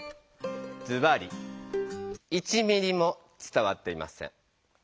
ズバリ１ミリも伝わっていません。